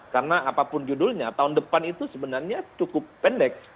karena apapun judulnya tahun depan itu sebenarnya cukup pendek